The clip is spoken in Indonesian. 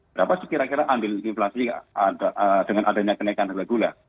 berapa sih kira kira ambil inflasi dengan adanya kenaikan harga gula